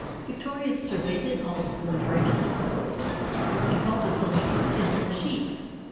Victoria surveyed it all with wondering eyes, and called the pony an old sheep.